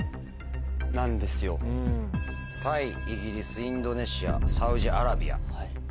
タイイギリスインドネシアサウジアラビア。